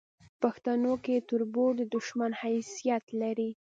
پښتنو کې تربور د دوشمن حیثت لري